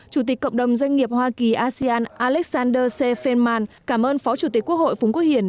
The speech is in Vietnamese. chủ tịch cộng đồng doanh nghiệp hoa kỳ asean alexander sifelman cảm ơn phó chủ tịch quốc hội phùng quốc hiển